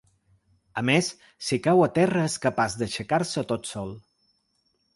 A més, si cau a terra és capaç d’aixecar-se tot sol.